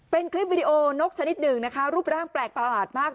เป็นคลิปวิดีโอนกชนิดหนึ่งนะคะรูปร่างแปลกประหลาดมาก